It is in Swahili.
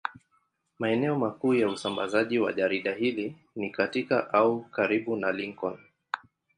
Maeneo makuu ya usambazaji wa jarida hili ni katika au karibu na Lincoln.